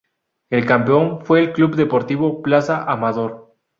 El campeón fue el Club Deportivo Plaza Amador.